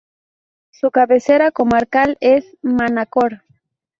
Su cabecera comarcal es Manacor.